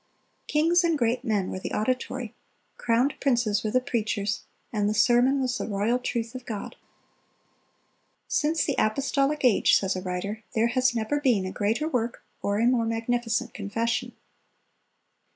Kings and great men were the auditory, crowned princes were the preachers, and the sermon was the royal truth of God. "Since the apostolic age," says a writer, "there has never been a greater work or a more magnificent confession."